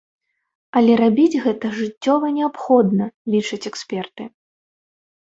Але рабіць гэта жыццёва неабходна, лічаць эксперты.